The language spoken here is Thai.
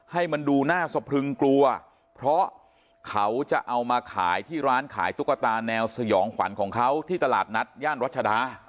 ให้มันดูน่าสะพรึงกลัวเพราะเขาจะเอามาขายที่ร้านขายตุ๊กตาแนวสยองขวัญของเขาที่ตลาดนัดย่านรัชดา